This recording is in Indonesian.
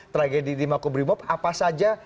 tragedi di makobrimob apa saja